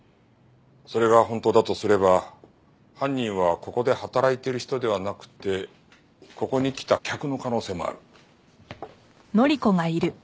それが本当だとすれば犯人はここで働いている人ではなくてここに来た客の可能性もある。